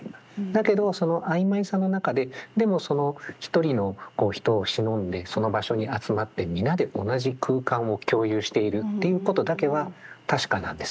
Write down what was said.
だけどその曖昧さの中ででもその一人の人をしのんでその場所に集まって皆で同じ空間を共有しているっていうことだけは確かなんですよね。